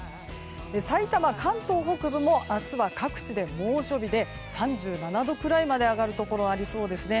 さいたま、関東北部も明日は各地で猛暑日で３７度くらいまで上がるところありそうですね。